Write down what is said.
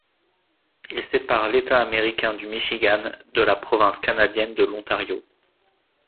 Il sépare l'État américain du Michigan de la province canadienne de l'Ontario.